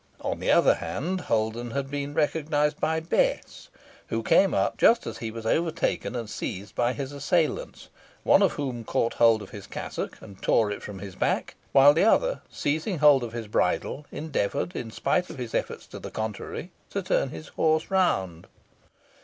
On the other hand, Holden had been recognised by Bess, who came up just as he was overtaken and seized by his assailants, one of whom caught hold of his cassock, and tore it from his back, while the other, seizing hold of his bridle, endeavoured, in spite of his efforts to the contrary, to turn his horse round.